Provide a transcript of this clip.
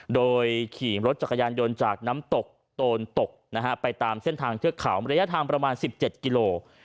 โดยขี่รถจักรยานยนต์จากน้ำตกโตนตกนะฮะไปตามเส้นทางเทือกเขาระยะทางประมาณ๑๗กิโล